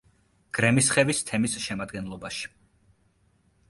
გრემისხევის თემის შემადგენლობაში.